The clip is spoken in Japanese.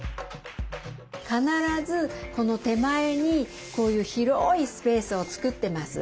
必ずこの手前にこういう広いスペースを作ってます。